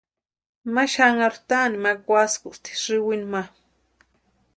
Ma xanharunha taani ma kwaskuspti sïwinu ma.